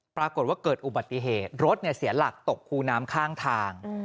ปรากฏว่าเกิดอุบัติเหตุรถเสียหลักตกคูน้ำข้างทาง